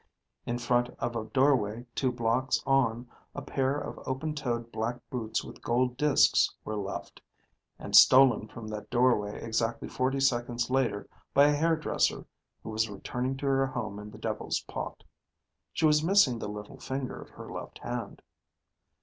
In front of a doorway two blocks on, a pair of open toed black boots with gold disks were left and stolen from that doorway exactly forty seconds later by a hairdresser who was returning to her home in Devil's Pot. She was missing the little finger of her left hand.